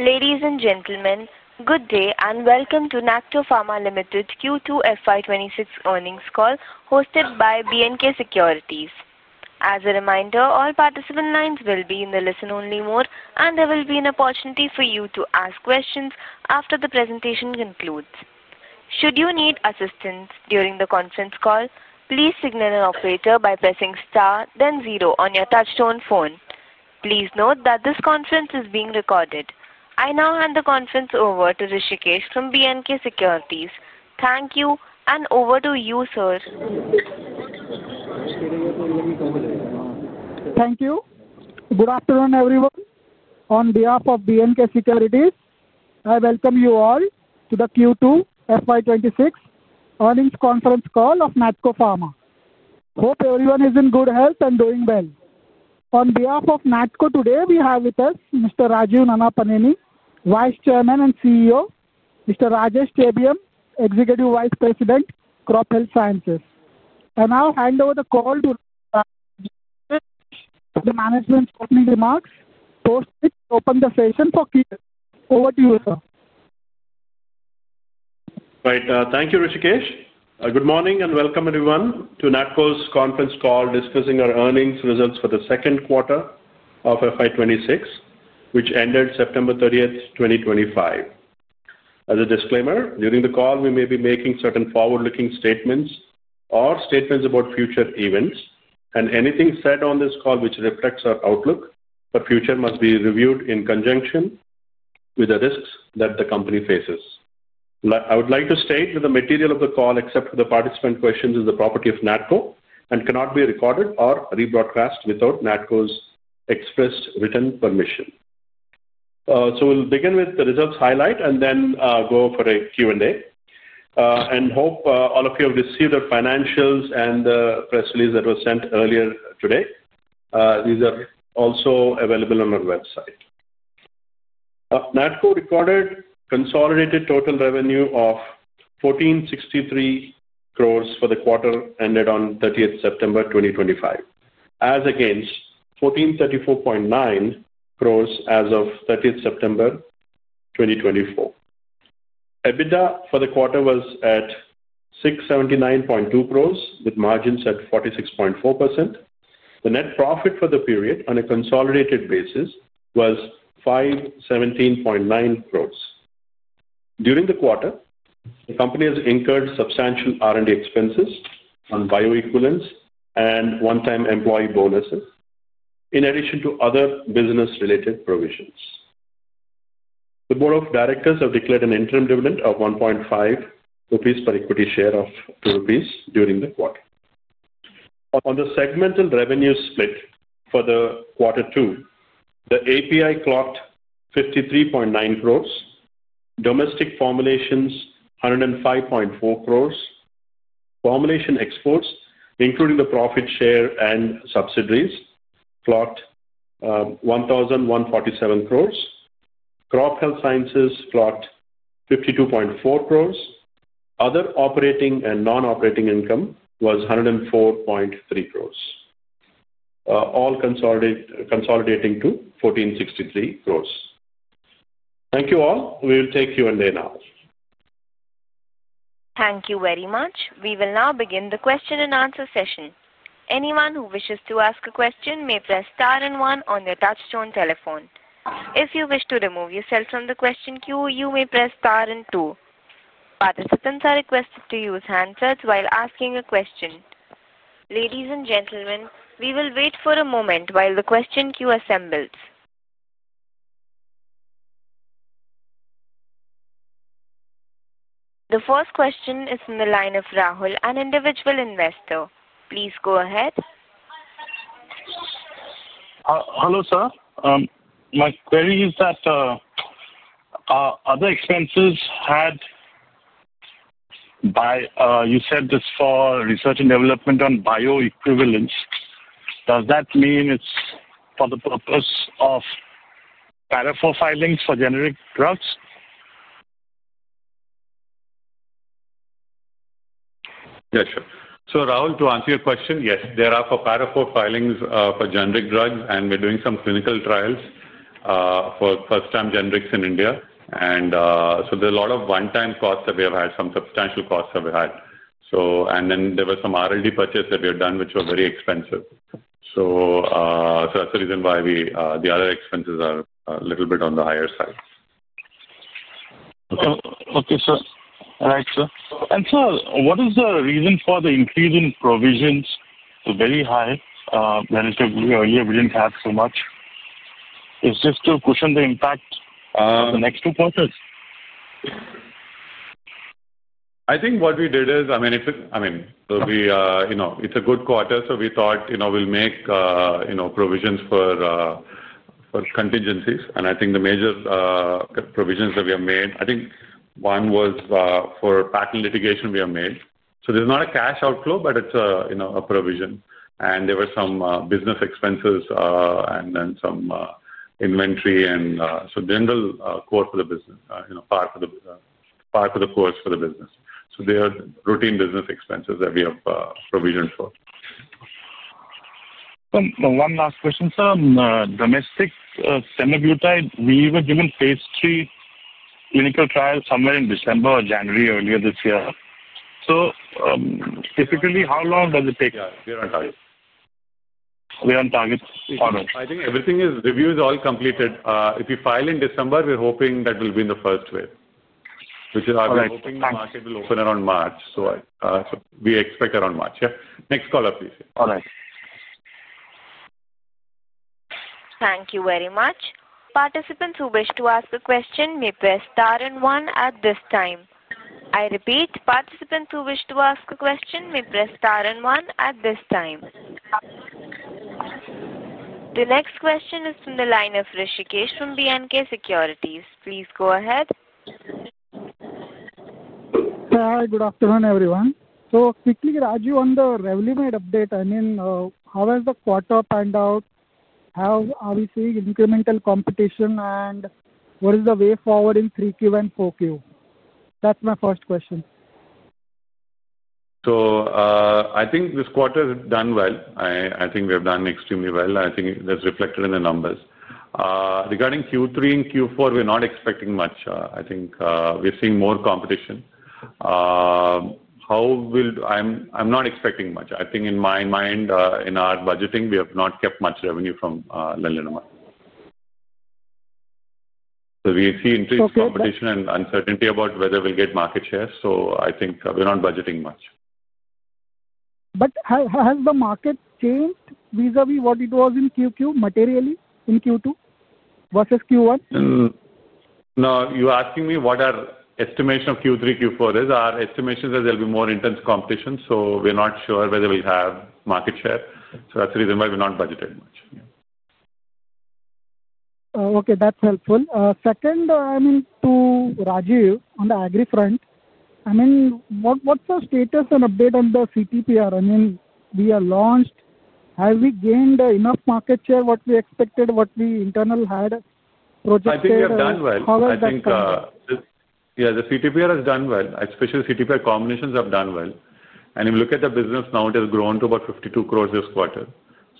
Ladies and gentlemen, good day and welcome to NATCO Pharma Limited Q2 FY26 earnings call, hosted by BNK Securities. As a reminder, all participant lines will be in the listen-only mode, and there will be an opportunity for you to ask questions after the presentation concludes. Should you need assistance during the conference call, please signal an operator by pressing star, then zero on your touch-tone phone. Please note that this conference is being recorded. I now hand the conference over to Hrishikesh from BNK Securities. Thank you, and over to you, sir. Thank you. Good afternoon, everyone. On behalf of BNK Securities, I welcome you all to the Q2 FY26 earnings conference call of NATCO Pharma. Hope everyone is in good health and doing well. On behalf of NATCO today, we have with us Mr. Rajeev Nannapaneni, Vice Chairman and CEO, Mr. Rajesh Chebiyam, Executive Vice President, Crop Health Sciences. I will hand over the call to Rajeev for the management's opening remarks, after which we will open the session for Q&A. Over to you, sir. Right. Thank you, Hrishikesh. Good morning and welcome, everyone, to NATCO's conference call discussing our earnings results for the second quarter of FY26, which ended September 30, 2025. As a disclaimer, during the call, we may be making certain forward-looking statements or statements about future events, and anything said on this call which reflects our outlook for the future must be reviewed in conjunction with the risks that the company faces. I would like to state that the material of the call, except for the participant questions, is the property of NATCO and cannot be recorded or rebroadcast without NATCO's expressed written permission. We will begin with the results highlight and then go for a Q&A. I hope all of you have received our financials and the press release that was sent earlier today. These are also available on our website. NATCO recorded consolidated total revenue of 1,463 crores for the quarter ended on 30 September 2025, as against 1,434.9 crores as of 30 September 2024. EBITDA for the quarter was at 679.2 crores, with margins at 46.4%. The net profit for the period on a consolidated basis was 517.9 crores. During the quarter, the company has incurred substantial R&D expenses on bioequivalents and one-time employee bonuses, in addition to other business-related provisions. The Board of Directors have declared an interim dividend of 1.5 rupees per equity share of 2 rupees during the quarter. On the segmental revenue split for quarter two, the API clocked 53.9 crores, domestic formulations 105.4 crores, formulation exports, including the profit share and subsidiaries, clocked 1,147 crores, crop health sciences clocked 52.4 crores, other operating and non-operating income was 104.3 crores, all consolidating to 1,463 crores. Thank you all. We'll take Q&A now. Thank you very much. We will now begin the question-and-answer session. Anyone who wishes to ask a question may press star and one on the touch-tone telephone. If you wish to remove yourself from the question queue, you may press star and two. Participants are requested to use handsets while asking a question. Ladies and gentlemen, we will wait for a moment while the question queue assembles. The first question is from the line of Rahul, an individual investor. Please go ahead. Hello, sir. My query is that other expenses had by you said this for research and development on bioequivalents. Does that mean it's for the purpose of Para IV filings for generic drugs? Yes, sure. Rahul, to answer your question, yes, there are Para IV filings for generic drugs, and we're doing some clinical trials for first-time generics in India. There is a lot of one-time costs that we have had, some substantial costs that we've had. There were some R&D purchases that we have done, which were very expensive. That is the reason why the other expenses are a little bit on the higher side. Okay, sir. All right, sir. And sir, what is the reason for the increase in provisions to very high relative to where we did not have so much? It is just to cushion the impact of the next two quarters? I think what we did is, I mean, it's a good quarter, so we thought we'll make provisions for contingencies. I think the major provisions that we have made, I think one was for patent litigation we have made. There's not a cash outflow, but it's a provision. There were some business expenses and then some inventory and some general core for the business, part for the core for the business. They are routine business expenses that we have provisioned for. One last question, sir. Domestic semaglutide, we were given phase III clinical trial somewhere in December or January earlier this year. Typically, how long does it take? We're on target. We're on target. Everything is review is all completed. If you file in December, we're hoping that will be in the first wave, which is we're hoping the market will open around March. So we expect around March. Yeah. Next caller, please. All right. Thank you very much. Participants who wish to ask a question may press star and one at this time. I repeat, participants who wish to ask a question may press star and one at this time. The next question is from the line of Hrishikesh from BNK Securities. Please go ahead. Hi, good afternoon, everyone. Quickly, Rajeev, on the Revlimid update, I mean, how has the quarter panned out? Are we seeing incremental competition, and what is the way forward in 3Q and 4Q? That's my first question. I think this quarter has done well. I think we have done extremely well. I think that's reflected in the numbers. Regarding Q3 and Q4, we're not expecting much. I think we're seeing more competition. I'm not expecting much. I think in my mind, in our budgeting, we have not kept much revenue from Lenalidomide. We see increased competition and uncertainty about whether we'll get market shares. I think we're not budgeting much. Has the market changed vis-à-vis what it was in Q2, materially, in Q2 versus Q1? No, you're asking me what our estimation of Q3, Q4 is. Our estimation is there'll be more intense competition, so we're not sure whether we'll have market share. That's the reason why we're not budgeting much. Okay, that's helpful. Second, I mean, to Rajeev, on the agri front, I mean, what's the status and update on the CTPR? I mean, we are launched. Have we gained enough market share what we expected, what we internal had projected? I think we have done well. I think, yeah, the CTPR has done well, especially CTPR combinations have done well. If you look at the business now, it has grown to about 52 crores this quarter.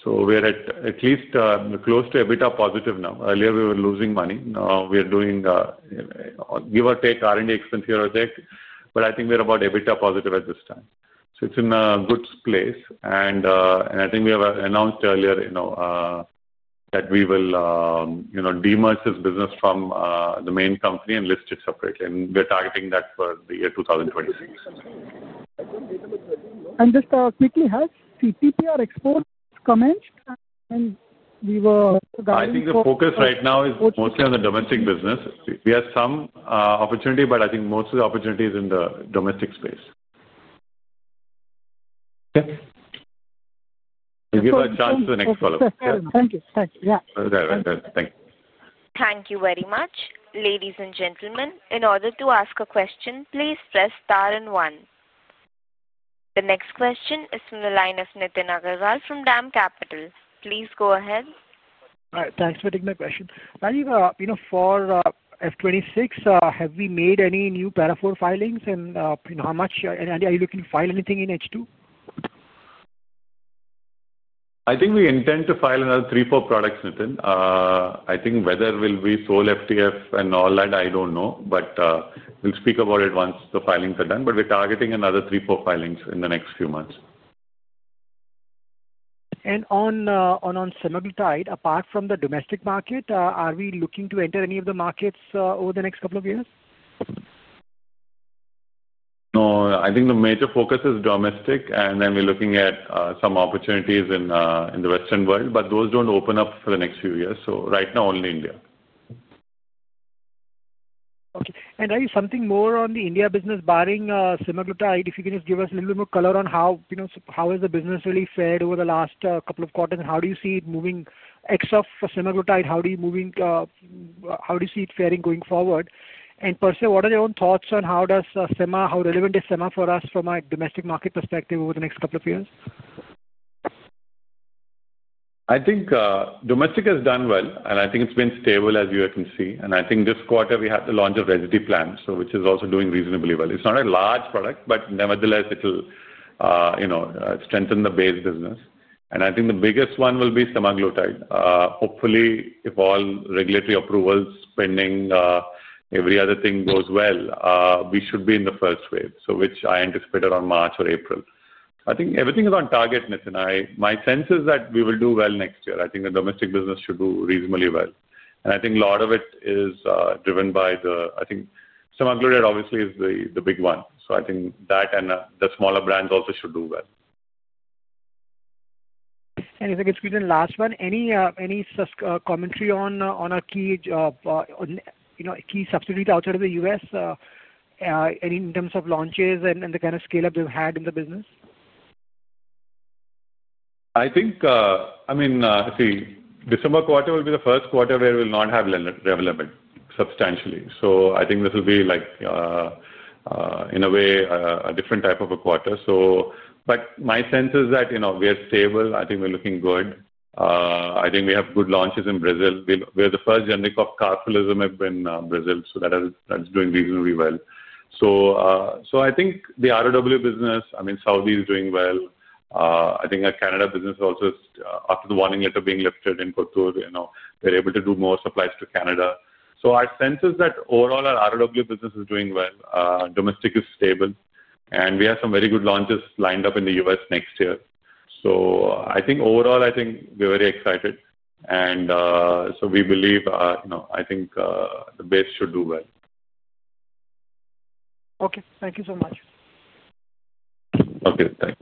We are at least close to EBITDA positive now. Earlier, we were losing money. Now we are doing, give or take, R&D expense here or there. I think we are about EBITDA positive at this time. It is in a good place. I think we have announced earlier that we will demerge this business from the main company and list it separately. We are targeting that for the year 2026. Just quickly, has CTPR exports commenced? I think the focus right now is mostly on the domestic business. We have some opportunity, but I think most of the opportunity is in the domestic space. Okay. We'll give a chance to the next caller. Thank you. Yeah. Thank you. Thank you very much. Ladies and gentlemen, in order to ask a question, please press star and one. The next question is from the line of Nitin Agarwal from DAM Capital. Please go ahead. All right. Thanks for taking the question. Rajeev, for FY26, have we made any new Para IV filings? And how much are you looking to file anything in H2? I think we intend to file another three, four products, Nitin. I think whether we will be sold FTF and all that, I do not know. We will speak about it once the filings are done. We are targeting another three, four filings in the next few months. On semaglutide, apart from the domestic market, are we looking to enter any of the markets over the next couple of years? No, I think the major focus is domestic, and then we're looking at some opportunities in the Western world. Those do not open up for the next few years. Right now, only India. Okay. Rajeev, something more on the India business, barring semaglutide, if you can just give us a little bit more color on how has the business really fared over the last couple of quarters? How do you see it moving except for semaglutide? How do you see it faring going forward? Per se, what are your own thoughts on how relevant is sema for us from a domestic market perspective over the next couple of years? I think domestic has done well, and I think it has been stable, as you can see. I think this quarter, we had to launch a residue plan, which is also doing reasonably well. It is not a large product, but nevertheless, it will strengthen the base business. I think the biggest one will be semaglutide. Hopefully, if all regulatory approvals pending, every other thing goes well, we should be in the first wave, which I anticipate around March or April. I think everything is on target, Nitin. My sense is that we will do well next year. I think the domestic business should do reasonably well. I think a lot of it is driven by the, I think semaglutide, obviously, is the big one. I think that and the smaller brands also should do well. If I could squeeze in the last one, any commentary on a key subsidiary outside of the U.S., in terms of launches and the kind of scale-up they've had in the business? I mean, see, December quarter will be the first quarter where we will not have revenue substantially. I think this will be, in a way, a different type of a quarter. My sense is that we are stable. I think we're looking good. I think we have good launches in Brazil. We're the first generic of sofosbuvir in Brazil, so that is doing reasonably well. I think the RoW business, I mean, Saudi is doing well. I think our Canada business also, after the warning letter being lifted in Kothur, they're able to do more supplies to Canada. Our sense is that overall, our RoW business is doing well. Domestic is stable. We have some very good launches lined up in the U.S. next year. I think overall, we're very excited. We believe the base should do well. Okay. Thank you so much. Okay. Thanks.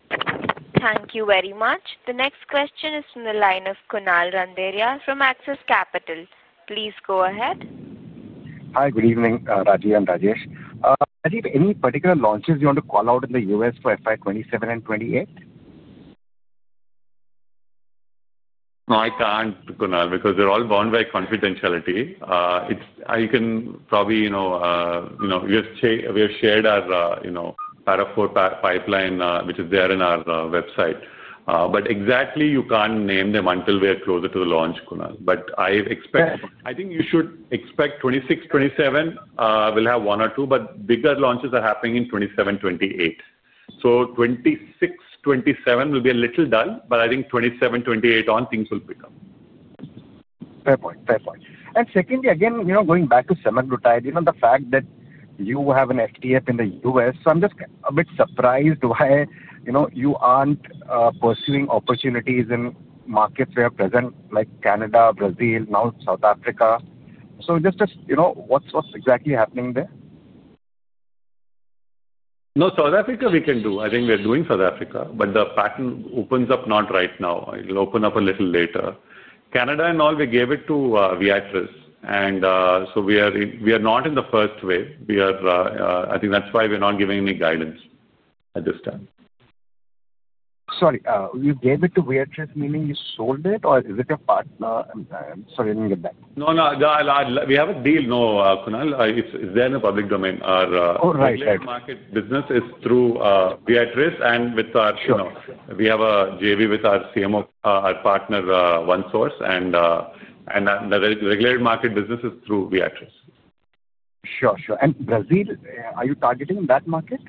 Thank you very much. The next question is from the line of Kunal Randeria from Axis Capital. Please go ahead. Hi, good evening, Rajeev and Rajesh. Rajeev, any particular launches you want to call out in the U.S. for FY 2027 and 2028? No, I can't, Kunal, because they're all bound by confidentiality. You can probably, we have shared our Para IV pipeline, which is there in our website. Exactly, you can't name them until we are closer to the launch, Kunal. I think you should expect 2026, 2027, we'll have one or two, but bigger launches are happening in 2027, 2028. 2026, 2027 will be a little dull, I think 2027, 2028 on, things will pick up. Fair point. Fair point. Secondly, again, going back to semaglutide, the fact that you have an FTF in the U.S., I'm just a bit surprised why you aren't pursuing opportunities in markets where you're present, like Canada, Brazil, now South Africa. Just what's exactly happening there? No, South Africa we can do. I think we're doing South Africa, but the patent opens up not right now. It'll open up a little later. Canada and all, we gave it to Viatris. We are not in the first wave. I think that's why we're not giving any guidance at this time. Sorry, you gave it to Viatris, meaning you sold it, or is it your partner? I'm sorry, I didn't get that. No, no. We have a deal, no, Kunal. It's there in the public domain. Our regulated market business is through Viatris and we have a JV with our CMO, our partner, OneSource, and the regulated market business is through Viatris. Sure, sure. Brazil, are you targeting that market?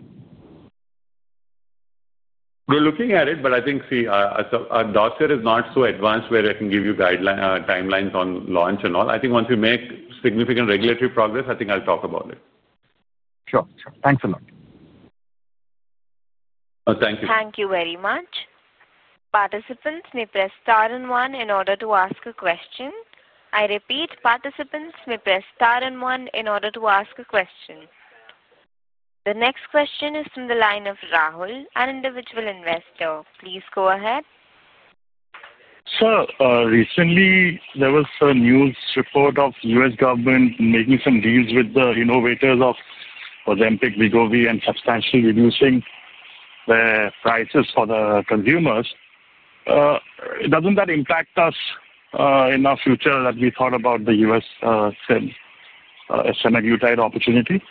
We're looking at it, but I think, see, our doctor is not so advanced where I can give you timelines on launch and all. I think once we make significant regulatory progress, I think I'll talk about it. Sure, sure. Thanks a lot. Thank you. Thank you very much. Participants may press star and one in order to ask a question. I repeat, participants may press star and one in order to ask a question. The next question is from the line of Rahul, an individual investor. Please go ahead. Sir, recently, there was a news report of the U.S. government making some deals with the innovators of Ozempic, Wegovy, and substantially reducing their prices for the consumers. Doesn't that impact us in our future that we thought about the U.S. semaglutide opportunity?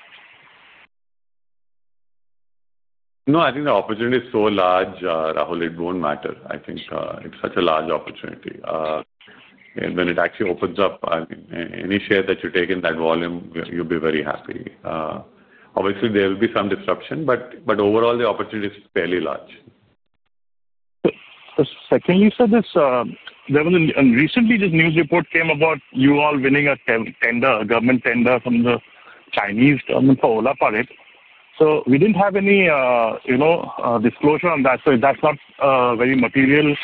No, I think the opportunity is so large, Rahul. It won't matter. I think it's such a large opportunity. When it actually opens up, any share that you take in that volume, you'll be very happy. Obviously, there will be some disruption, but overall, the opportunity is fairly large. Secondly, sir, there was a recently this news report came about you all winning a government tender from the Chinese government for olaparib. So we didn't have any disclosure on that. Is that not very material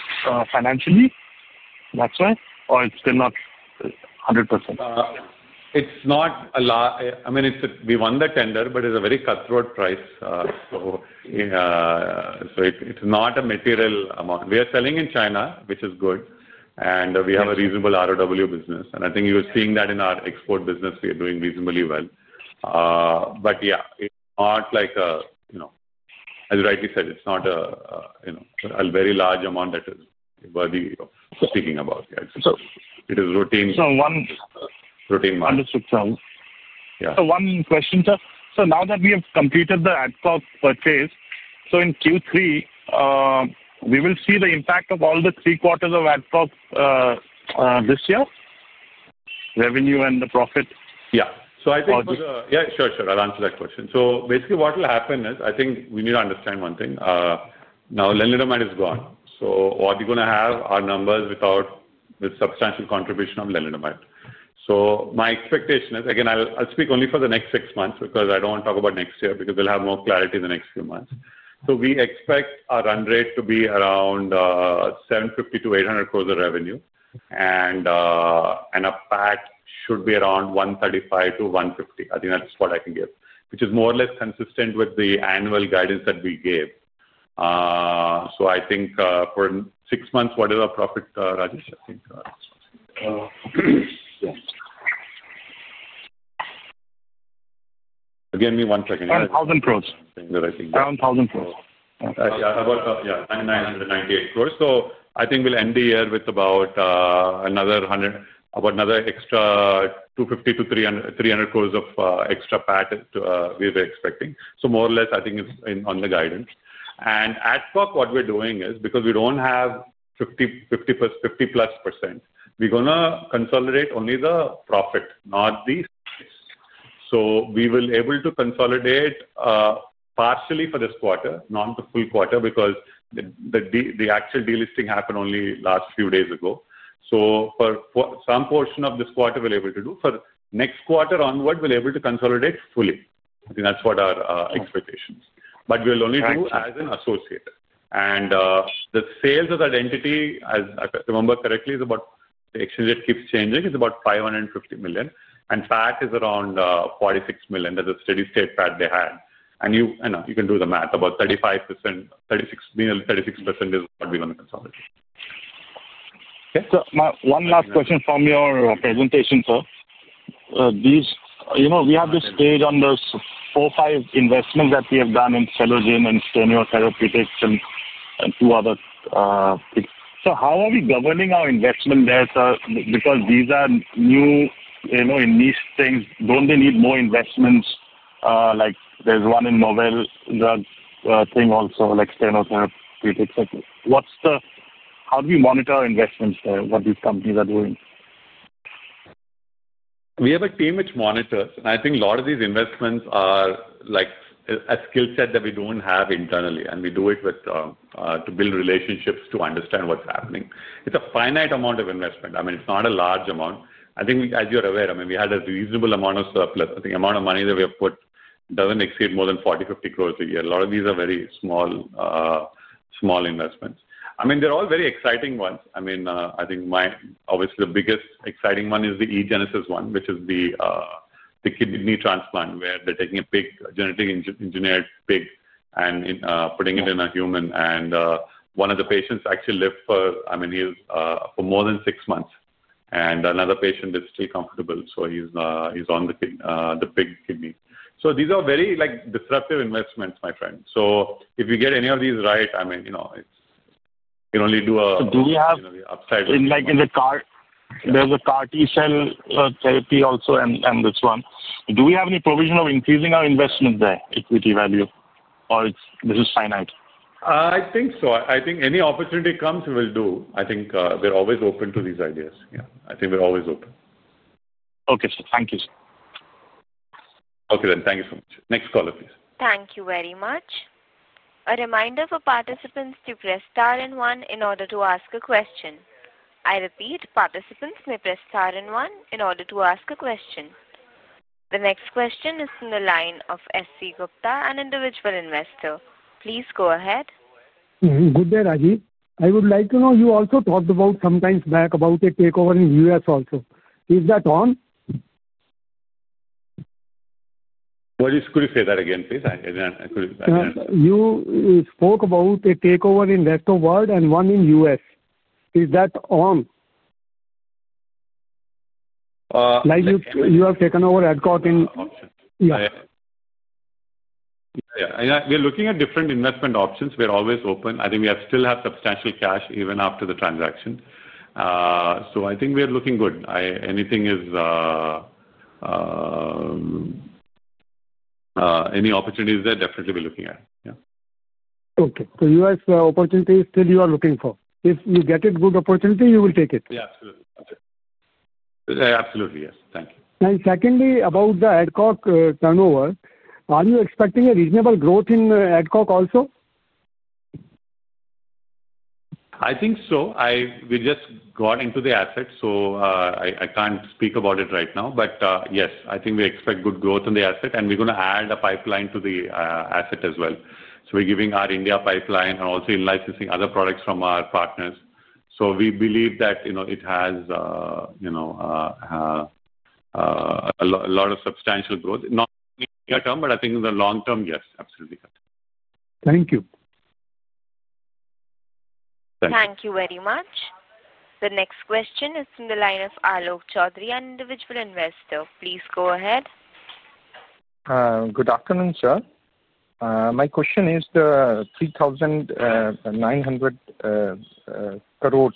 financially? That's why? Or it's still not 100%? It's not a lot. I mean, we won the tender, but it's a very cutthroat price. So it's not a material amount. We are selling in China, which is good. We have a reasonable RoW business. I think you're seeing that in our export business. We are doing reasonably well. Yeah, it's not like a, as you rightly said, it's not a very large amount that is worthy of speaking about. It is routine. So one. Routine market. Understood, sir. One question, sir. Now that we have completed the Adcock purchase, in Q3, will we see the impact of all the three quarters of Adcock this year? Revenue and the profit? Yeah. So I think. Or just. Yeah, sure, sure. I'll answer that question. Basically, what will happen is I think we need to understand one thing. Now, lenalidomide is gone. What we are going to have are numbers without substantial contribution of lenalidomide. My expectation is, again, I'll speak only for the next six months because I do not want to talk about next year because we will have more clarity in the next few months. We expect our run rate to be around 750-800 crore of revenue. A PAT should be around 135-150 crore. I think that is what I can give, which is more or less consistent with the annual guidance that we gave. For six months, what is our profit, Rajesh? Again, give me one second. Around 1,000 crores. Around 1,000 crores. Yeah, 998 crores. I think we'll end the year with about another extra 250-300 crores of extra PAT we were expecting. More or less, I think it's on the guidance. What we're doing is because we don't have 50% plus, we're going to consolidate only the profit, not the—so we will be able to consolidate partially for this quarter, not the full quarter, because the actual delisting happened only last few days ago. For some portion of this quarter, we'll be able to do. For next quarter onward, we'll be able to consolidate fully. I think that's what our expectation is. We'll only do as an associate. The sales of that entity, if I remember correctly, is about—the exchange rate keeps changing—is about $550 million. PAT is around $46 million as a steady state PAT they had. You can do the math. About 36% is what we want to consolidate. One last question from your presentation, sir. We have this stage on the four, five investments that we have done in Celogen and senotherapeutics and two other. How are we governing our investment there, sir? Because these are new, niche things. Do not they need more investments? There is one in novel drug thing also, like senotherapeutics. How do we monitor our investments there, what these companies are doing? We have a team which monitors. I think a lot of these investments are a skill set that we do not have internally. We do it to build relationships to understand what is happening. It is a finite amount of investment. I mean, it is not a large amount. I think, as you are aware, we had a reasonable amount of surplus. I think the amount of money that we have put does not exceed more than 40-50 crores a year. A lot of these are very small investments. They are all very exciting ones. I think, obviously, the biggest exciting one is the eGenesis one, which is the kidney transplant where they are taking a genetically engineered pig and putting it in a human. One of the patients actually lived for more than six months. Another patient is still comfortable. He's on the pig kidney. These are very disruptive investments, my friend. If you get any of these right, I mean, you can only do a. Do we have? There's a CAR T-cell therapy also and this one. Do we have any provision of increasing our investment there, equity value? Or this is finite? I think so. I think any opportunity comes, we will do. I think we're always open to these ideas. Yeah, I think we're always open. Okay, sir. Thank you, sir. Okay then. Thank you so much. Next caller, please. Thank you very much. A reminder for participants to press star and one in order to ask a question. I repeat, participants may press star and one in order to ask a question. The next question is from the line of SC Gupta, an individual investor. Please go ahead. Good day, Rajeev. I would like to know, you also talked about sometime back about a takeover in the U.S. also. Is that on? What is—could you say that again, please? You spoke about a takeover in the rest of the world and one in the U.S. Is that on? Like you have taken over Adcock Ingram. Yeah. We're looking at different investment options. We're always open. I think we still have substantial cash even after the transaction. I think we're looking good. Any opportunities there, definitely we're looking at. Yeah. Okay. US opportunities, still you are looking for. If you get a good opportunity, you will take it. Yeah, absolutely. Absolutely, yes. Thank you. Secondly, about the ad hoc turnover, are you expecting a reasonable growth in ad hoc also? I think so. We just got into the asset, so I can't speak about it right now. Yes, I think we expect good growth in the asset. We're going to add a pipeline to the asset as well. We're giving our India pipeline and also licensing other products from our partners. We believe that it has a lot of substantial growth. Not in the near term, but I think in the long term, yes. Absolutely. Thank you. Thank you. Thank you very much. The next question is from the line of Arlo Choudhary, an individual investor. Please go ahead. Good afternoon, sir. My question is the 3,900 crores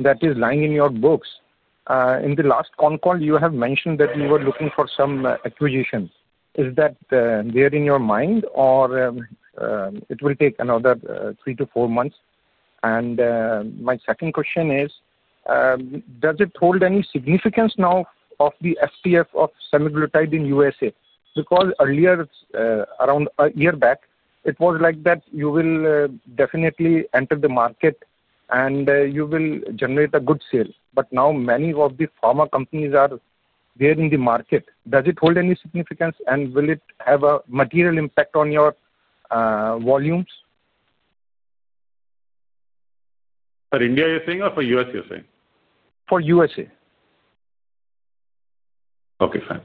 that is lying in your books. In the last con call, you have mentioned that you were looking for some acquisitions. Is that there in your mind, or it will take another three to four months? My second question is, does it hold any significance now of the FTF of semaglutide in the USA? Because earlier, around a year back, it was like that you will definitely enter the market and you will generate a good sale. Now many of the pharma companies are there in the market. Does it hold any significance, and will it have a material impact on your volumes? For India, you're saying, or for U.S., you're saying? For USA. Okay, fine.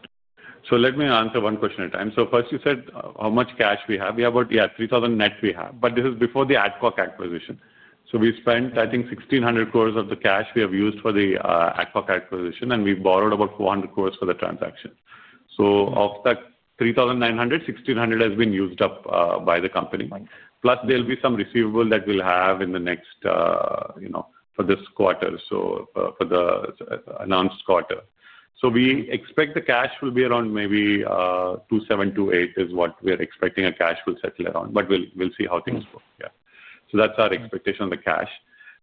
Let me answer one question at a time. First, you said how much cash we have. Yeah, 3,000 net we have. This is before the Adcock acquisition. We spent, I think, 1,600 of the cash we have used for the Adcock acquisition, and we borrowed about 400 for the transaction. Of the 3,900, 1,600 has been used up by the company. Plus, there will be some receivable that we will have in the next for this quarter, for the announced quarter. We expect the cash will be around maybe 2,700-2,800 is what we are expecting the cash will settle around. We will see how things go. Yeah. That is our expectation on the cash.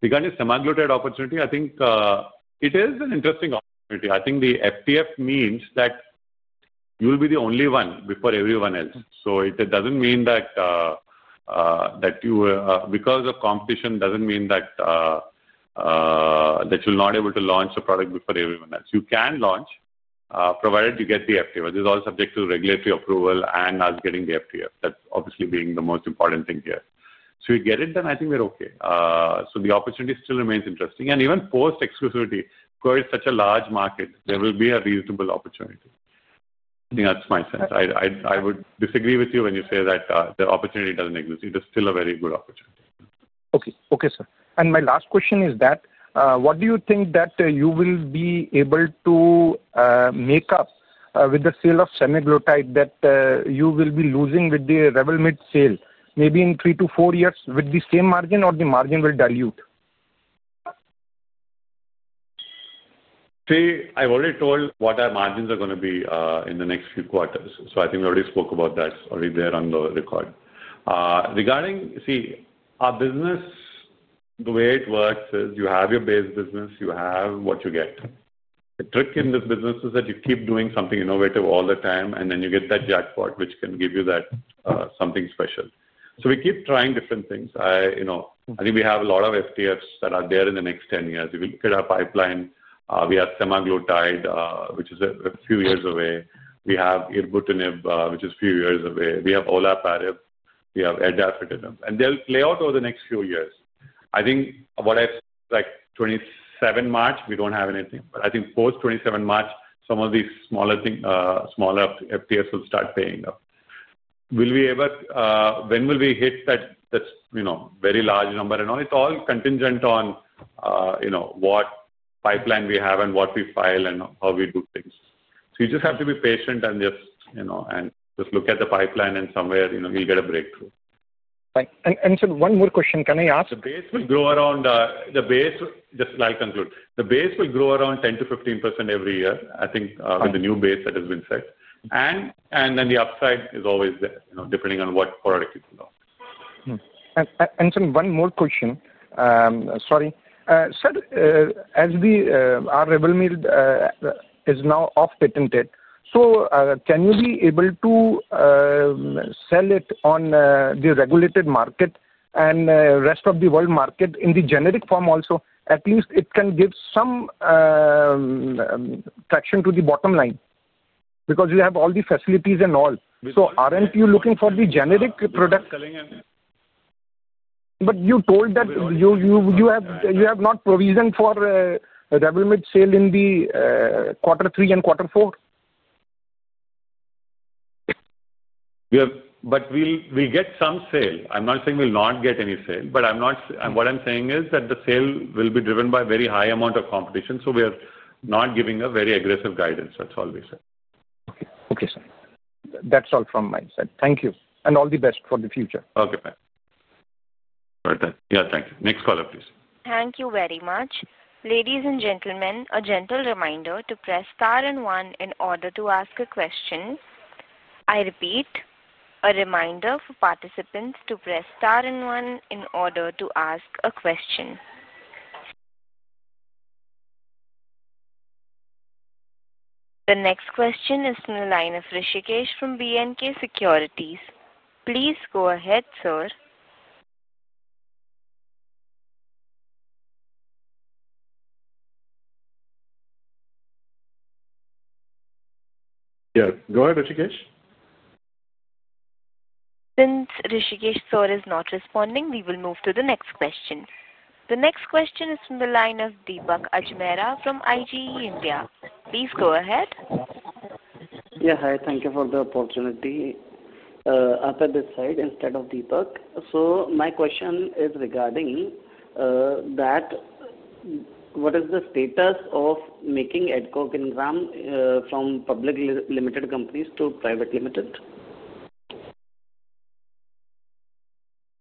Regarding semaglutide opportunity, I think it is an interesting opportunity. I think the FTF means that you will be the only one before everyone else. It does not mean that you, because of competition, are not able to launch a product before everyone else. You can launch provided you get the FTF. This is all subject to regulatory approval and us getting the FTF. That is obviously the most important thing here. If you get it, then I think we are okay. The opportunity still remains interesting. Even post-exclusivity, because it is such a large market, there will be a reasonable opportunity. I think that is my sense. I would disagree with you when you say that the opportunity does not exist. It is still a very good opportunity. Okay. Okay, sir. My last question is that, what do you think that you will be able to make up with the sale of semaglutide that you will be losing with the Revlimid sale, maybe in three to four years with the same margin, or the margin will dilute? See, I've already told what our margins are going to be in the next few quarters. I think we already spoke about that already there on the record. See, our business, the way it works is you have your base business, you have what you get. The trick in this business is that you keep doing something innovative all the time, and then you get that jackpot, which can give you that something special. We keep trying different things. I think we have a lot of FTFs that are there in the next 10 years. If you look at our pipeline, we have semaglutide, which is a few years away. We have Ibrutinib, which is a few years away. We have olaparib, we have fedratinib. And they'll play out over the next few years. I think what I've said, like 27 March, we don't have anything. I think post-27 March, some of these smaller FTFs will start paying up. When will we hit that very large number and all? It's all contingent on what pipeline we have and what we file and how we do things. You just have to be patient and just look at the pipeline, and somewhere you'll get a breakthrough. Sir, one more question. Can I ask? The base will grow around the base. I'll conclude. The base will grow around 10%-15% every year, I think, with the new base that has been set. The upside is always there, depending on what product you put out. Sir, one more question. Sorry. Sir, as our Revlimid is now off-patented, can you be able to sell it on the regulated market and rest of the world market in the generic form also? At least it can give some traction to the bottom line because you have all the facilities and all. Aren't you looking for the generic product? You told that you have not provisioned for Revlimid sale in the quarter three and quarter four. We will get some sale. I'm not saying we will not get any sale. What I'm saying is that the sale will be driven by a very high amount of competition. We are not giving a very aggressive guidance. That is all we said. Okay. Okay, sir. That's all from my side. Thank you. All the best for the future. Okay, fine. All right. Yeah, thank you. Next caller, please. Thank you very much. Ladies and gentlemen, a gentle reminder to press star and one in order to ask a question. I repeat, a reminder for participants to press star and one in order to ask a question. The next question is from the line of Hrishikesh from BNK Securities. Please go ahead, sir. Yeah. Go ahead, Hrishikesh. Since Hrishikesh, sir, is not responding, we will move to the next question. The next question is from the line of Deepak Ajmera from IGE India. Please go ahead. Yeah. Hi. Thank you for the opportunity. Atta this side instead of Deepak. So my question is regarding that what is the status of making Adcock Ingram from public limited companies to private limited?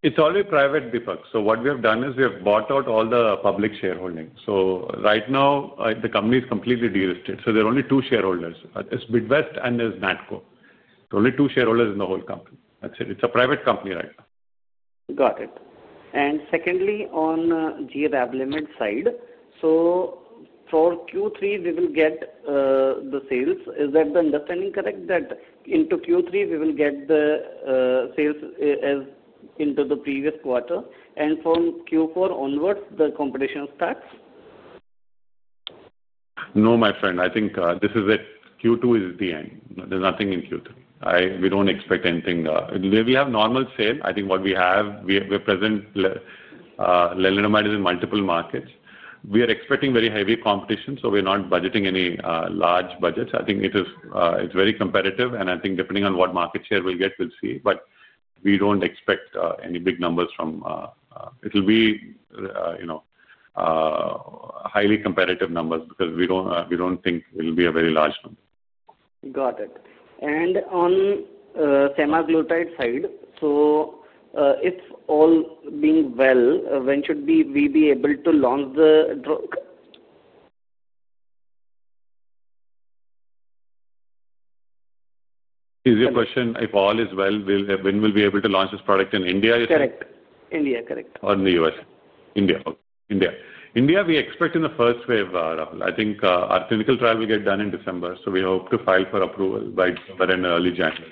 It's only private, Deepak. What we have done is we have bought out all the public shareholding. Right now, the company is completely deregistered. There are only two shareholders. It's Midwest and there's NATCO. There are only two shareholders in the whole company. That's it. It's a private company right now. Got it. Secondly, on GWAB Limited side, for Q3, we will get the sales. Is that the understanding, correct, that into Q3, we will get the sales as in the previous quarter? From Q4 onwards, the competition starts? No, my friend. I think this is it. Q2 is the end. There is nothing in Q3. We do not expect anything. We have normal sale. I think what we have, we are present. Lenalidomide is in multiple markets. We are expecting very heavy competition, so we are not budgeting any large budgets. I think it is very competitive. I think depending on what market share we will get, we will see. We do not expect any big numbers from it. It will be highly competitive numbers because we do not think it will be a very large number. Got it. On semaglutide side, if all being well, when should we be able to launch the drug? Easier question. If all is well, when will we be able to launch this product in India? Correct. India, correct. Or in the U.S.? India. Okay. India. India, we expect in the first wave, Rahul. I think our clinical trial will get done in December. We hope to file for approval by December and early January.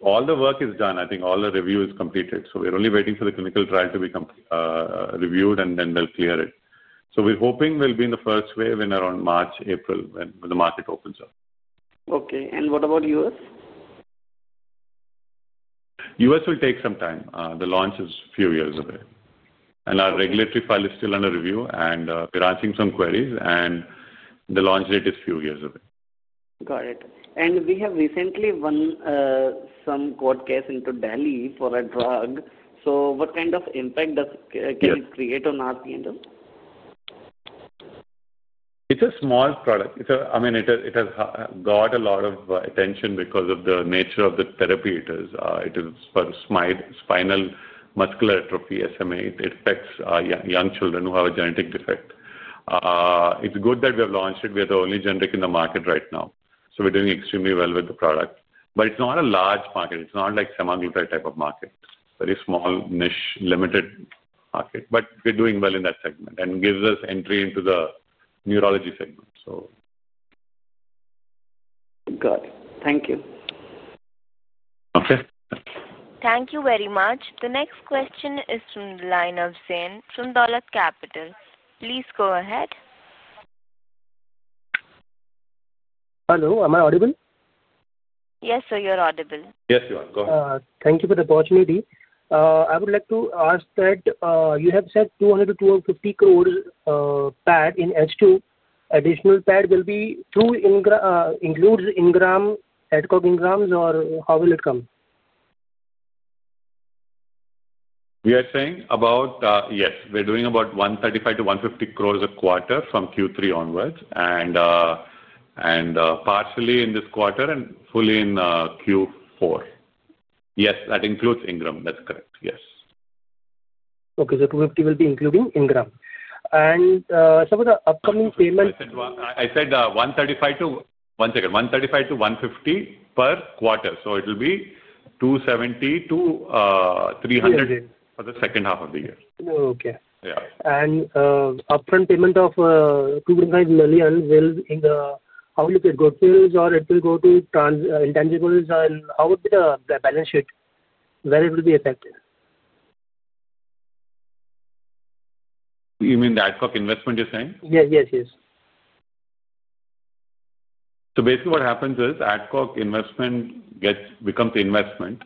All the work is done. I think all the review is completed. We are only waiting for the clinical trial to be reviewed, and then they will clear it. We are hoping we will be in the first wave in around March, April when the market opens up. Okay. What about U.S.? U.S. will take some time. The launch is a few years away. Our regulatory file is still under review, and we're answering some queries, and the launch date is a few years away. Got it. We have recently won some court case in Delhi for a drug. What kind of impact can it create on RPNM? It's a small product. I mean, it has got a lot of attention because of the nature of the therapy. It is for spinal muscular atrophy, SMA. It affects young children who have a genetic defect. It's good that we have launched it. We are the only generic in the market right now. We're doing extremely well with the product. It is not a large market. It is not like semaglutide type of market. Very small, niche, limited market. We're doing well in that segment and gives us entry into the neurology segment, so. Got it. Thank you. Okay. Thank you very much. The next question is from the line of Zain from Dolat Capital. Please go ahead. Hello. Am I audible? Yes, sir. You're audible. Yes, you are. Go ahead. Thank you for the opportunity. I would like to ask that you have said 200 crores-250 crores PAT in H2. Additional PAT will be includes engram, Adcock Ingram, or how will it come? We are saying about yes. We're doing about 135 crore-150 crore a quarter from Q3 onwards and partially in this quarter and fully in Q4. Yes, that includes Ingram. That's correct. Yes. Okay. So 250 will be including Ingram and some of the upcoming payments. I said 135-150 per quarter. So it'll be 270-300 for the second half of the year. Okay. Upfront payment of $2.5 million, how will it go? Sales or it will go to intangibles? How would the balance sheet, where it will be affected? You mean the ad hoc investment you're saying? Yes, yes. Basically what happens is ad hoc investment becomes investment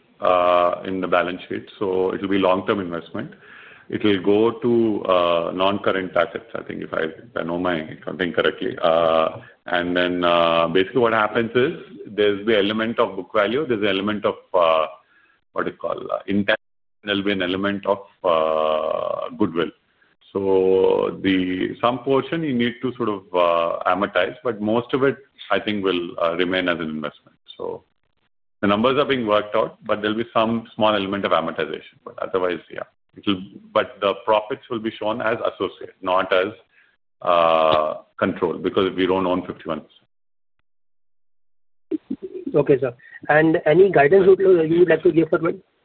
in the balance sheet. It'll be long-term investment. It'll go to non-current assets, I think, if I know my accounting correctly. Then basically what happens is there's the element of book value. There's the element of, what do you call, there'll be an element of goodwill. Some portion you need to sort of amortize, but most of it, I think, will remain as an investment. The numbers are being worked out, but there'll be some small element of amortization. Otherwise, yeah. The profits will be shown as associate, not as control because we don't own 51%. Okay, sir. Any guidance would you like to give for,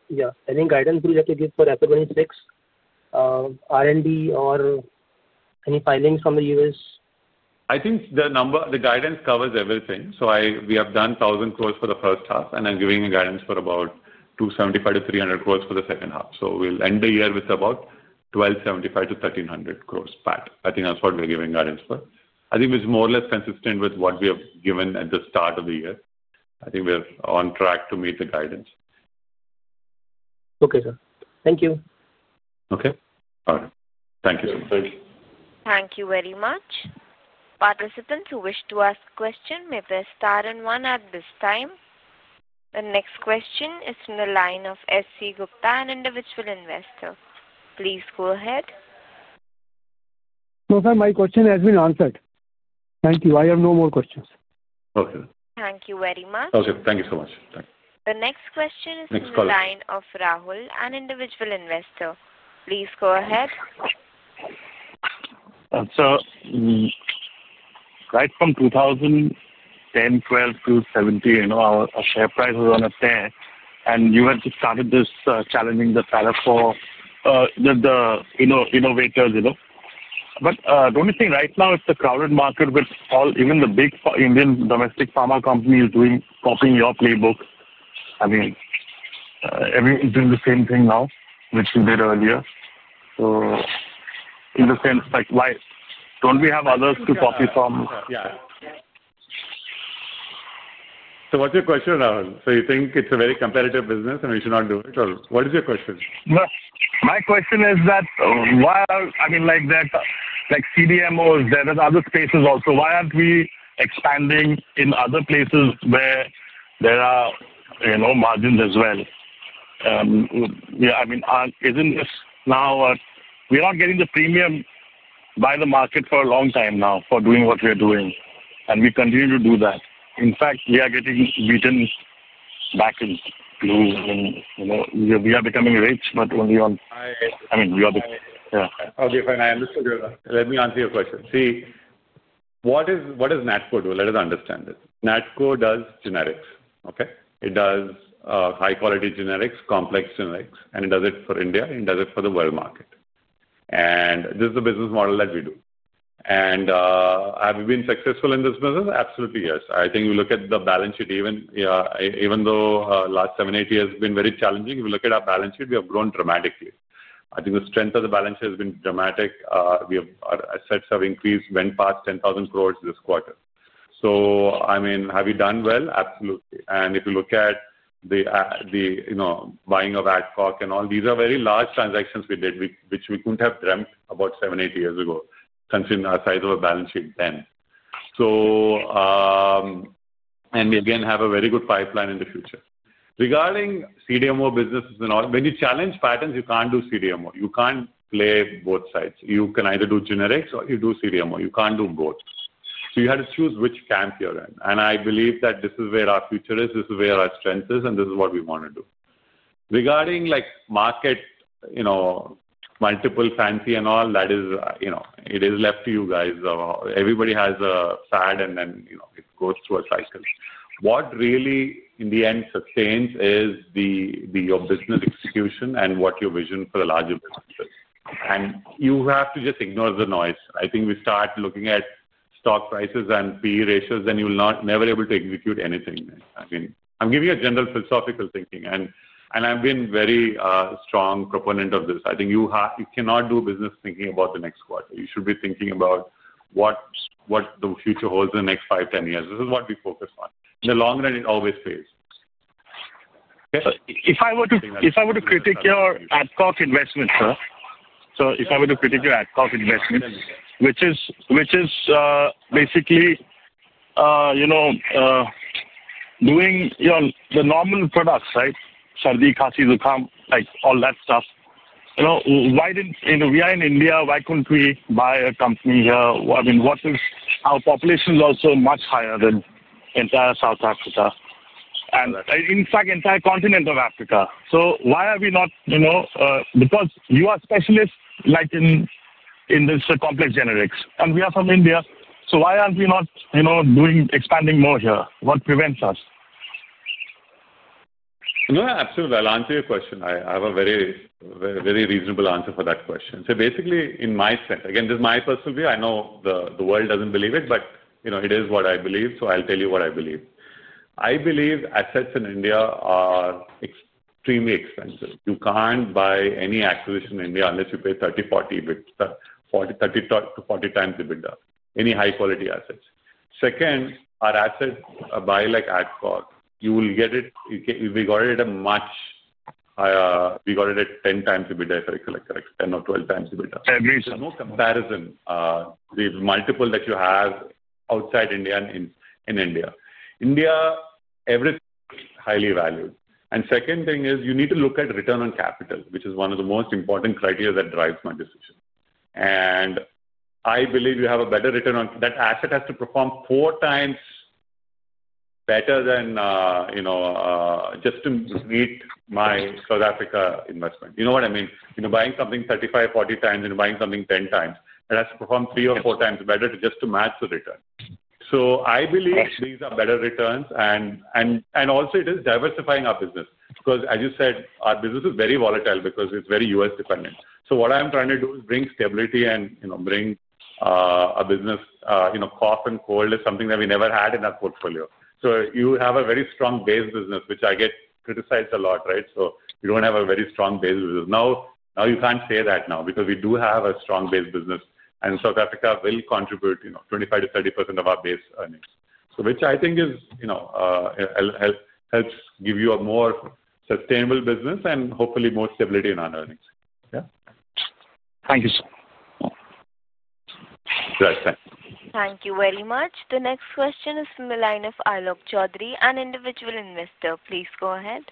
yeah, any guidance would you like to give for F-126, R&D, or any filings from the U.S.? I think the guidance covers everything. We have done 1,000 crores for the first half, and I'm giving a guidance for about 275 crores-300 crores for the second half. We will end the year with about 1,275 crores-1,300 crores PAT. I think that's what we're giving guidance for. I think it's more or less consistent with what we have given at the start of the year. I think we're on track to meet the guidance. Okay, sir. Thank you. Okay. All right. Thank you so much. Thank you very much. Participants who wish to ask a question may press star and one at this time. The next question is from the line of SC Gupta, an individual investor. Please go ahead. No, sir. My question has been answered. Thank you. I have no more questions. Okay. Thank you very much. Okay. Thank you so much. Thank you. The next question is from the line of Rahul, an individual investor. Please go ahead. Sir, right from 2010, 2012 to 2017, our share price was on a 10. And you had just started this challenging the setup for the innovators. But the only thing right now, it's a crowded market with even the big Indian domestic pharma companies copying your playbook. I mean, everyone's doing the same thing now, which you did earlier. So in the sense, why don't we have others to copy from? Yeah. So what's your question, Rahul? You think it's a very competitive business, and we should not do it? Or what is your question? My question is that why aren't, I mean, like CDMOs, there are other spaces also. Why aren't we expanding in other places where there are margins as well? I mean, isn't this now a, we're not getting the premium by the market for a long time now for doing what we are doing. We continue to do that. In fact, we are getting beaten back into, I mean, we are becoming rich, but only on, I mean, you are becoming rich. Yeah. Okay, fine. I understood your let me answer your question. See, what does NATCO do? Let us understand this. NATCO does generics. Okay? It does high-quality generics, complex generics. It does it for India. It does it for the world market. This is the business model that we do. Have we been successful in this business? Absolutely, yes. I think you look at the balance sheet, even though the last seven, eight years have been very challenging, if you look at our balance sheet, we have grown dramatically. I think the strength of the balance sheet has been dramatic. Our assets have increased, went past 10,000 crores this quarter. I mean, have we done well? Absolutely. If you look at the buying of Adcock and all, these are very large transactions we did, which we could not have dreamt about seven or eight years ago considering our size of a balance sheet then. We again have a very good pipeline in the future. Regarding CDMO businesses and all, when you challenge patents, you cannot do CDMO. You cannot play both sides. You can either do generics or you do CDMO. You cannot do both. You have to choose which camp you are in. I believe that this is where our future is. This is where our strength is, and this is what we want to do. Regarding market, multiple fancy and all, that is, it is left to you guys. Everybody has a say, and then it goes through a cycle. What really, in the end, sustains is your business execution and what your vision for the larger business is. You have to just ignore the noise. I think we start looking at stock prices and P/E ratios, and you'll never be able to execute anything. I mean, I'm giving you a general philosophical thinking. I've been a very strong proponent of this. I think you cannot do business thinking about the next quarter. You should be thinking about what the future holds in the next 5, 10 years. This is what we focus on. In the long run, it always pays. Okay? If I were to critique your ad hoc investment, sir, if I were to critique your ad hoc investment, which is basically doing the normal products, right? Shardee, Kashi, Zukham, all that stuff. Why didn't we are in India. Why couldn't we buy a company here? I mean, our population is also much higher than entire South Africa and, in fact, entire continent of Africa. Why are we not because you are specialists in these complex generics, and we are from India. Why aren't we expanding more here? What prevents us? No, absolutely. I'll answer your question. I have a very reasonable answer for that question. Basically, in my sense, again, this is my personal view. I know the world doesn't believe it, but it is what I believe. I'll tell you what I believe. I believe assets in India are extremely expensive. You can't buy any acquisition in India unless you pay 30x-40x EBITDA, any high-quality assets. Second, our assets, buy like Adcock. You will get it. We got it at a much—we got it at 10x EBITDA, if I recollect correctly, 10x or 12x EBITDA. Every single time. Comparison with multiple that you have outside India and in India. India, everything is highly valued. Second thing is you need to look at return on capital, which is one of the most important criteria that drives my decision. I believe you have a better return on that asset has to perform four times better than just to meet my South Africa investment. You know what I mean? You're buying something 35x-40x times. You're buying something 10x. It has to perform three or four times better just to match the return. I believe these are better returns. Also, it is diversifying our business because, as you said, our business is very volatile because it's very U.S.-dependent. What I'm trying to do is bring stability and bring a business cough and cold is something that we never had in our portfolio. You have a very strong base business, which I get criticized a lot, right? You do not have a very strong base business. Now, you cannot say that now because we do have a strong base business. South Africa will contribute 25%-30% of our base earnings, which I think helps give you a more sustainable business and hopefully more stability in our earnings. Yeah? Thank you, sir. That's fine. Thank you very much. The next question is from the line of Arlo Choudhary, an individual investor. Please go ahead.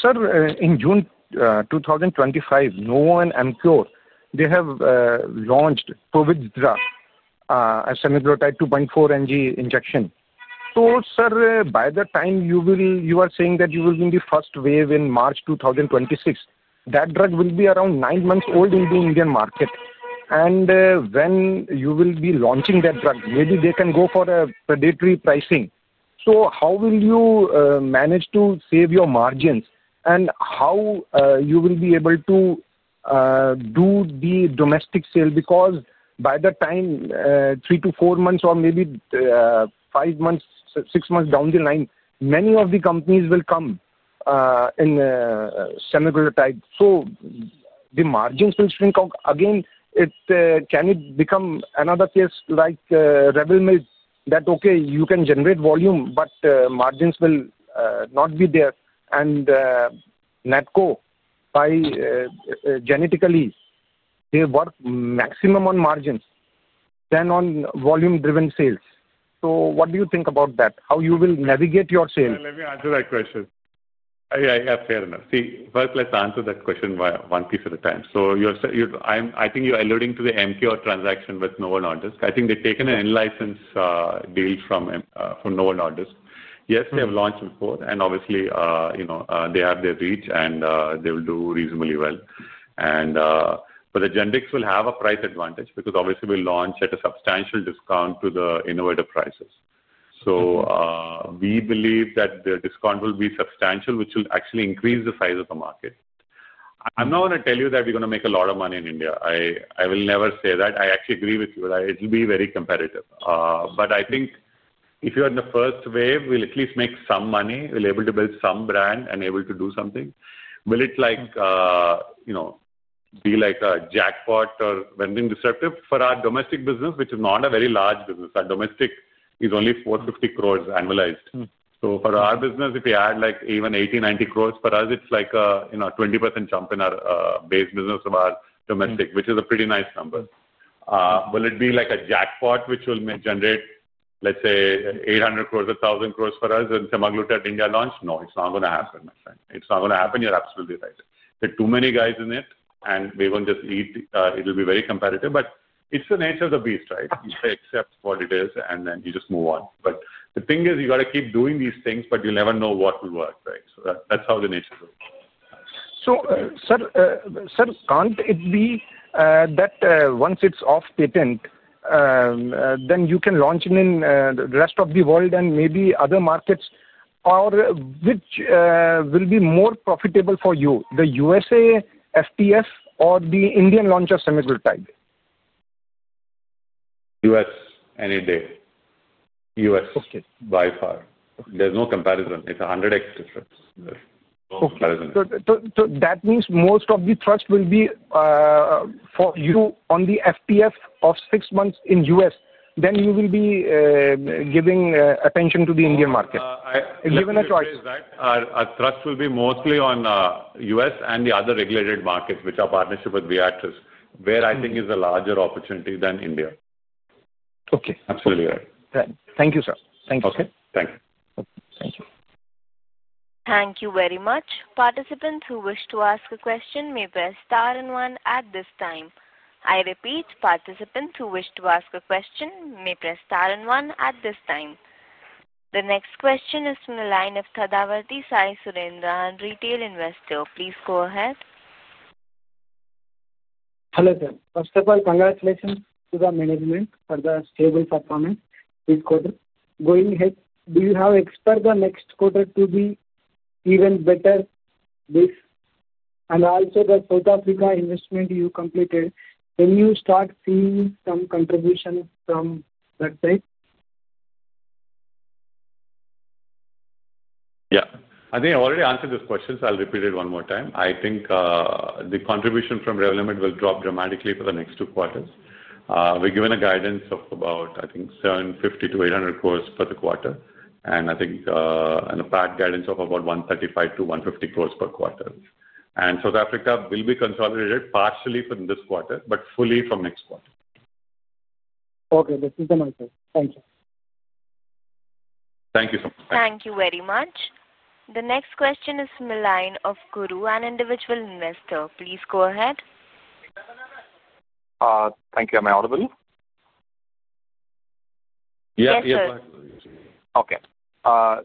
Sir, in June 2025, Novo and Emcure, they have launched Poviztra, a semaglutide 2.4 mg injection. Sir, by the time you are saying that you will be in the first wave in March 2026, that drug will be around nine months old in the Indian market. When you will be launching that drug, maybe they can go for a predatory pricing. How will you manage to save your margins? How will you be able to do the domestic sale? By the time three to four months or maybe five months, six months down the line, many of the companies will come in semaglutide. The margins will shrink. Again, can it become another case like Revlimid that, okay, you can generate volume, but margins will not be there? NATCO, genetically, they work maximum on margins, then on volume-driven sales. What do you think about that? How will you navigate your sale? Let me answer that question. Yeah, yeah. Fair enough. See, first, let's answer that question one piece at a time. I think you're alluding to the Emcure transaction with Novo Nordisk. I think they've taken an in-license deal from Novo Nordisk. Yes, they have launched before. Obviously, they have their reach, and they will do reasonably well. GenDx will have a price advantage because, obviously, we launch at a substantial discount to the innovator prices. We believe that the discount will be substantial, which will actually increase the size of the market. I'm not going to tell you that we're going to make a lot of money in India. I will never say that. I actually agree with you that it'll be very competitive. I think if you're in the first wave, we'll at least make some money. We'll be able to build some brand and able to do something. Will it be like a jackpot or anything disruptive for our domestic business, which is not a very large business? Our domestic is only 450 crore annualized. For our business, if we add even 80-90 crore, for us, it's like a 20% jump in our base business of our domestic, which is a pretty nice number. Will it be like a jackpot, which will generate, let's say, 800 crore, 1,000 crore for us and semaglutide India launch? No, it's not going to happen, my friend. It's not going to happen. You're absolutely right. There are too many guys in it, and we're going to just eat. It'll be very competitive. It's the nature of the beast, right? You accept what it is, and then you just move on. The thing is, you got to keep doing these things, but you'll never know what will work, right? So that's how the nature of it is. Sir, can't it be that once it's off-patent, then you can launch in the rest of the world and maybe other markets, which will be more profitable for you, the U.S., FTF, or the Indian launch of semaglutide? U.S., any day. U.S., by far. There's no comparison. It's a 100x difference. No comparison here. That means most of the trust will be for you on the FTF of six months in the U.S. Then you will be giving attention to the Indian market. Given a choice. Our trust will be mostly on U.S. and the other regulated markets, which are partnership with Viatris, where, I think, is a larger opportunity than India. Okay. Absolutely right. Thank you, sir. Thank you. Okay. Thank you. Thank you very much. Participants who wish to ask a question may press star and one at this time. I repeat, participants who wish to ask a question may press star and one at this time. The next question is from the line of Tadavarti Sai Surendran, retail investor. Please go ahead. Hello, sir. First of all, congratulations to the management for the stable performance this quarter. Going ahead, do you expect the next quarter to be even better? Also, the South Africa investment you completed, can you start seeing some contribution from that side? Yeah. I think I already answered this question, so I'll repeat it one more time. I think the contribution from Revlimid will drop dramatically for the next two quarters. We're given a guidance of about 750 crores-800 crores for the quarter. I think an apparent guidance of about 135-150 crores per quarter. South Africa will be consolidated partially from this quarter, but fully from next quarter. Okay. This is the answer. Thank you. Thank you so much. Thank you very much. The next question is from the line of Guru, an individual investor. Please go ahead. Thank you, Amir Audible. Yes, yes. Okay.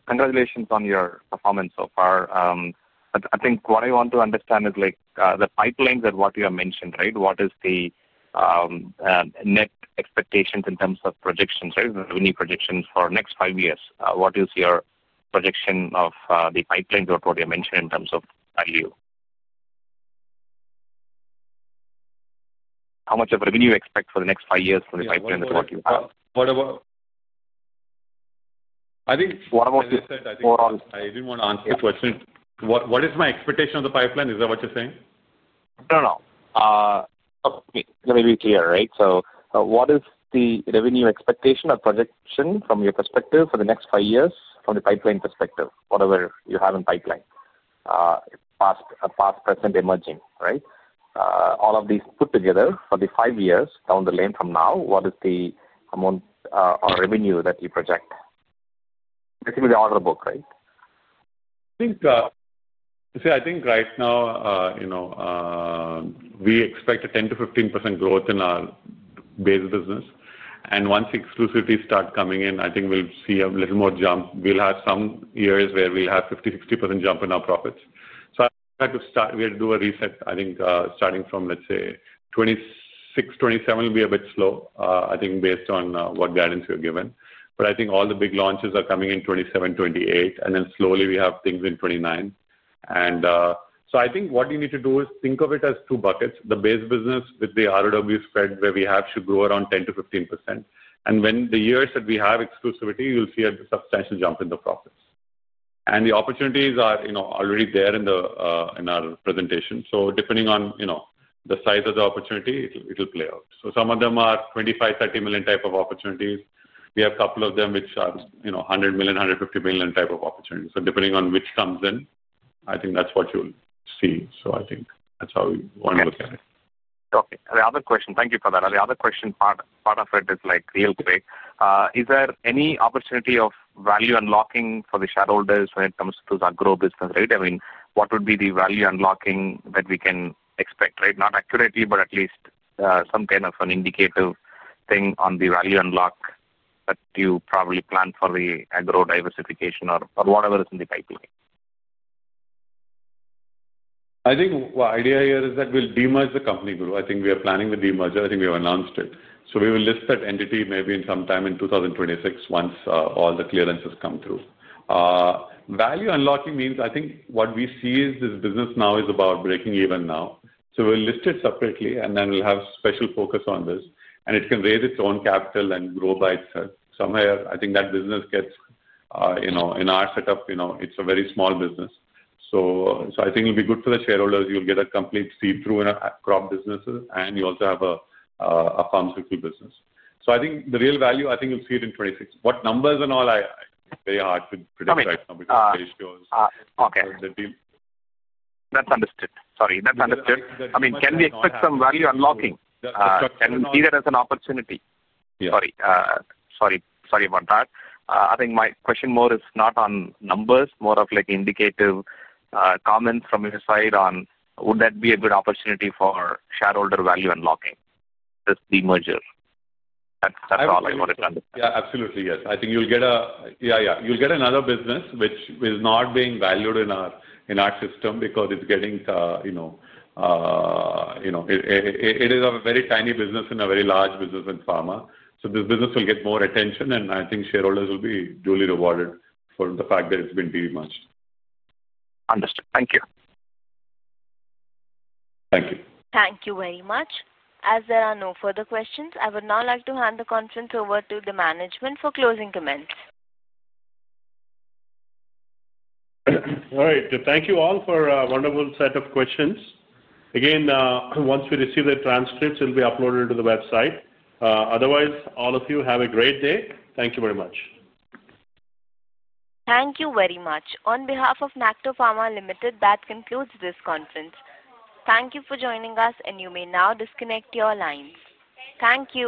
Congratulations on your performance so far. I think what I want to understand is the pipelines and what you have mentioned, right? What is the net expectations in terms of projections, right? Revenue projections for the next five years. What is your projection of the pipelines or what you mentioned in terms of value? How much of revenue you expect for the next five years from the pipelines and what you have? What about, I think. What about? I didn't want to answer the question. What is my expectation of the pipeline? Is that what you're saying? No, no, no. Let me be clear, right? What is the revenue expectation or projection from your perspective for the next five years from the pipeline perspective, whatever you have in pipeline, past, present, emerging, right? All of these put together for the five years down the lane from now, what is the amount or revenue that you project? I think with the order book, right? See, I think right now we expect a 10%-15% growth in our base business. Once exclusivities start coming in, I think we'll see a little more jump. We'll have some years where we'll have 50%-60% jump in our profits. I had to do a reset, I think, starting from, let's say, 2026, 2027 will be a bit slow, I think, based on what guidance we're given. I think all the big launches are coming in 2027, 2028, and then slowly we have things in 2029. I think what you need to do is think of it as two buckets. The base business with the RWS spread where we have should grow around 10%-15%. In the years that we have exclusivity, you'll see a substantial jump in the profits. The opportunities are already there in our presentation. Depending on the size of the opportunity, it will play out. Some of them are $25 million-$30 million type of opportunities. We have a couple of them which are $100 million-$150 million type of opportunities. Depending on which comes in, I think that is what you will see. I think that is how we want to look at it. Okay. The other question, thank you for that. The other question part of it is real quick. Is there any opportunity of value unlocking for the shareholders when it comes to the Agro business, right? I mean, what would be the value unlocking that we can expect, right? Not accurately, but at least some kind of an indicative thing on the value unlock that you probably plan for the Agro diversification or whatever is in the pipeline. I think the idea here is that we'll de-merge the company group. I think we are planning the de-merger. I think we have announced it. We will list that entity maybe in some time in 2026 once all the clearances come through. Value unlocking means, I think what we see is this business now is about breaking even now. We will list it separately, and then we'll have special focus on this. It can raise its own capital and grow by itself. Somewhere, I think that business gets in our setup, it's a very small business. I think it'll be good for the shareholders. You'll get a complete see-through in crop businesses, and you also have a pharmaceutical business. I think the real value, I think you'll see it in 2026. What numbers and all, it's very hard to predict right now because of the ratios. Okay. That's understood. Sorry. That's understood. I mean, can we expect some value unlocking? Can we see that as an opportunity? Sorry about that. I think my question more is not on numbers, more of indicative comments from your side on would that be a good opportunity for shareholder value unlocking with the merger. That's all I wanted to understand. Yeah, absolutely. Yes. I think you'll get a, yeah, you'll get another business which is not being valued in our system because it's getting, it is a very tiny business and a very large business in pharma. This business will get more attention, and I think shareholders will be duly rewarded for the fact that it's been de-merged. Understood. Thank you. Thank you. Thank you very much. As there are no further questions, I would now like to hand the conference over to the management for closing comments. All right. Thank you all for a wonderful set of questions. Again, once we receive the transcripts, it will be uploaded to the website. Otherwise, all of you, have a great day. Thank you very much. Thank you very much. On behalf of NATCO Pharma Limited, that concludes this conference. Thank you for joining us, and you may now disconnect your lines. Thank you.